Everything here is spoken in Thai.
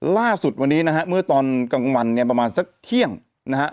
ล่าสุดวันนี้นะฮะเมื่อตอนกลางวันเนี่ยประมาณสักเที่ยงนะฮะ